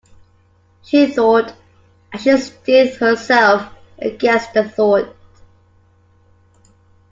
She thought; and she steeled herself against the thought.